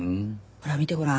ほら見てごらん。